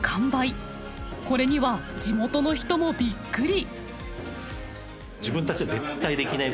これには地元の人もびっくり。